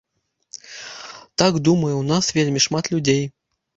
Так думае ў нас вельмі шмат людзей.